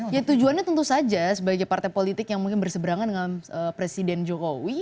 ya tujuannya tentu saja sebagai partai politik yang mungkin berseberangan dengan presiden jokowi